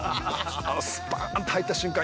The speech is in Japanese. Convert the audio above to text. スパーンと入った瞬間